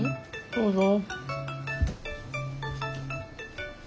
どうぞ。